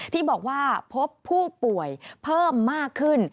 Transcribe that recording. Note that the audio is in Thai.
ที่บอกว่าพบผู้ป่วยเพิ่มมากขึ้น